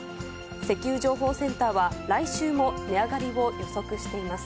石油情報センターは、来週も値上がりを予測しています。